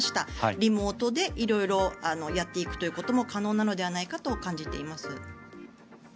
リモートで色々やっていくことも可能なのではないかと感じています。